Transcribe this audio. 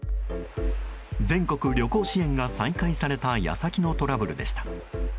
全国旅行支援が再開された矢先のトラブルでした。